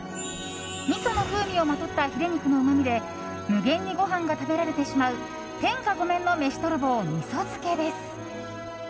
みその風味をまとったヒレ肉のうまみで無限にごはんが食べられてしまう天下御免のみそ泥棒味噌漬けです。